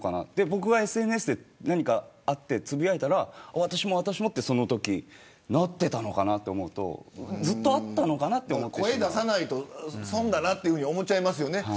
僕がＳＮＳで、何かあってつぶやいたら私も私もとなっていたのかなと思うとずっとあったのかなと思ってしま声出さないと損だなと思ってしまいますよね。